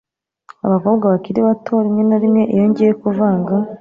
abakobwa bakiri bato rimwe na rimwe iyo ngiye kuvanga